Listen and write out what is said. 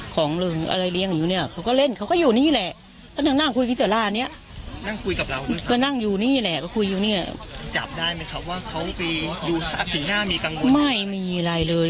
ก็คุยอยู่เนี่ยจับได้ไหมเขาว่าเขาไปอยู่สักปีหน้ามีกังวลไม่มีอะไรเลย